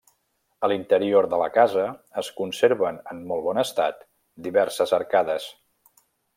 A l'interior de la casa es conserven en molt bon estat diverses arcades.